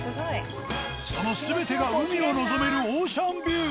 その全てが海を望めるオーシャンビュー。